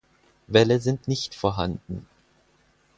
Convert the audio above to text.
Wälle sind nicht vorhanden.